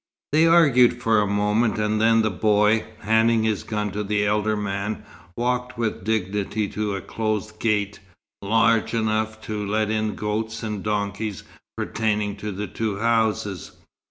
They argued for a moment, and then the boy, handing his gun to the elder man, walked with dignity to a closed gate, large enough to let in the goats and donkeys pertaining to the two houses.